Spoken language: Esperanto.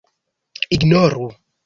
ignoru